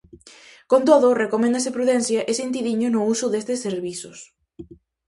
Con todo, recoméndase prudencia e sentidiño no uso destes servizos.